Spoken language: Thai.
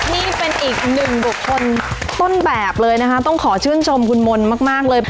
นี่เป็นอีกหนึ่งบุคคลต้นแบบเลยนะคะต้องขอชื่นชมคุณมนต์มากเลย